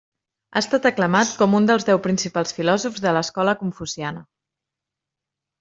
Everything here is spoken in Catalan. Ha estat aclamat com un dels deu principals filòsofs de l'escola confuciana.